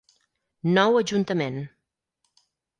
Nou Ajuntament.